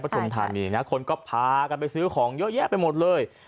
ทุมธานีนะคนก็พากันไปซื้อของเยอะแยะไปหมดเลย